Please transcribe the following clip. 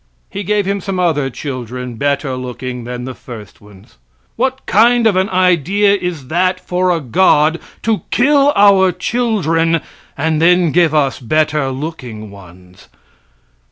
He gave him some other children better looking than the first ones. What kind of an idea is that for a God to kill our children and then give us better looking ones!